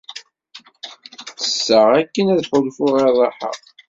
Ttesseɣ akken ad ḥulfuɣ i ṛṛaḥa.